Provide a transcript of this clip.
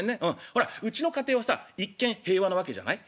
ほらうちの家庭はさ一見平和なわけじゃない？